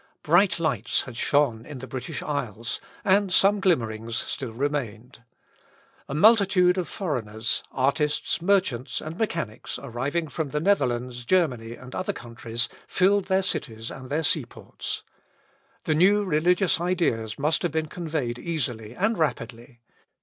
Bright lights had shone in the British Isles, and some glimmerings still remained. A multitude of foreigners, artists, merchants, and mechanics, arriving from the Netherlands, Germany, and other countries, filled their cities and their sea ports. The new religious ideas must have been conveyed easily and rapidly.